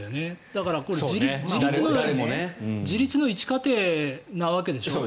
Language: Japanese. だからこれ自律の一過程なわけでしょ？